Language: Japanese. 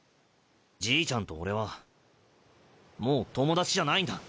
じいちゃんと俺はもう友達じゃないんだ。